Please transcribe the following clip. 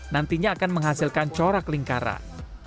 nantinya akan menghasilkan corak lingkaran